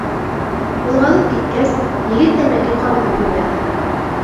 Ҡуҙғалып киткәс, егет тәмәке ҡабыҙып ебәрҙе.